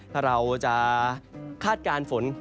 ถ้าเราจะคาดการณ์ฝน